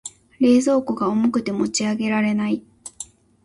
冷蔵庫が重くて持ち上げられない。